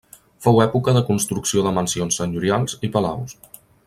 Fou època de construcció de mansions senyorials i palaus.